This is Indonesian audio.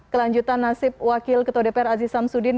kelanjutan nasib wakil ketua dpr aziz sam sudin